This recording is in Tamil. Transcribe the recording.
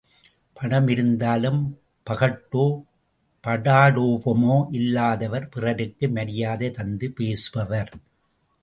பணம் இருந்தாலும் பகட்டோ, படாடோபமோ இல்லாதவர், பிறருக்கு மரியாதை தந்து பேசுபவர்.